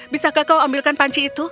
bisakah kau ambilkan panci itu